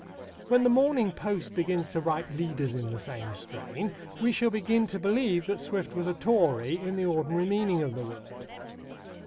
When the Morning Post begins to write leaders in the same strain, we shall begin to believe that Swift was a Tory in the ordinary meaning of the word.